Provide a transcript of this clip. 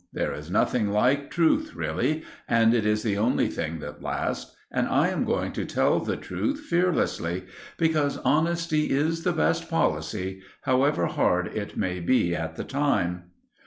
There is nothing like truth really, and it is the only thing that lasts, and I am going to tell the truth fearlessly, because honesty is the best policy, however hard it may be at the time.